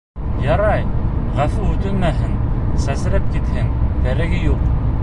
Ярай, ғәфү үтенмәһен, сәсрәп китһен, кәрәге юҡ.